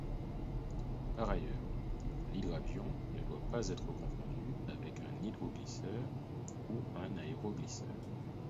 Par ailleurs, l'hydravion ne doit pas être confondu avec un hydroglisseur ou un aéroglisseur.